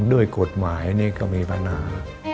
ด้วยกฎหมายนี่ก็มีปัญหา